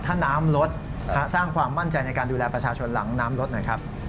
ถ้าน้ำลดสร้างความมั่นใจในการดูแลประชาชนหลังน้ำลดหน่อยครับ